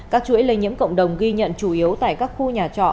các chuỗi lây nhiễm cộng đồng ghi nhận chủ yếu tại các khu nhà trọ